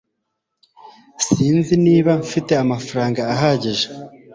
Sinzi niba mfite amafaranga ahagije